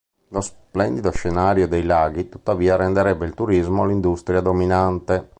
Lo splendido scenario dei laghi, tuttavia, renderebbe il turismo l'industria dominante.